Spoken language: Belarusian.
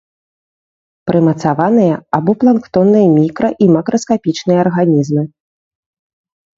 Прымацаваныя або планктонныя мікра- і макраскапічныя арганізмы.